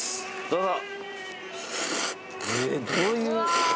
どうぞ。